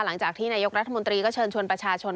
หลังจากที่นายกรัฐมนตรีก็เชิญชวนประชาชน